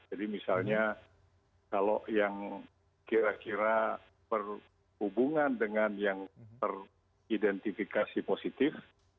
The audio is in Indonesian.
jadi misalnya kalau yang kira kira berhubungan dengan yang beridentifikasi positif